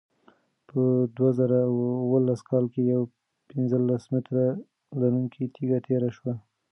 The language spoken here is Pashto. په دوه زره اوولس کال کې یوه پنځلس متره لرونکې تیږه تېره شوه.